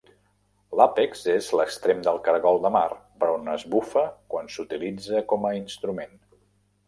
L'àpex és l'extrem del cargol de mar per on es bufa quan s'utilitza com a instrument.